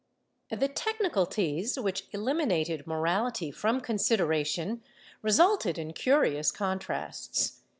^ Tlie technicalties, which eliminated morality from consideration, resulted in curious contrasts.